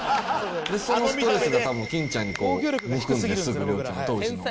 そのストレスが多分金ちゃんに向くんですすぐ良ちゃん当時の。